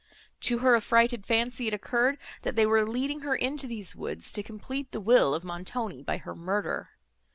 To her affrighted fancy it occurred, that they were leading her into these woods to complete the will of Montoni by her murder.